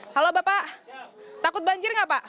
halo bapak takut banjir nggak pak